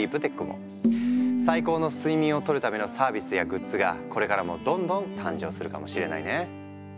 最高の睡眠をとるためのサービスやグッズがこれからもどんどん誕生するかもしれないね。